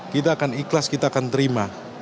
kita akan ikhlas kita akan terima